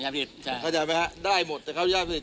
เข้าใจไหมฮะได้หมดถ้าเขาอนุญาตผลิต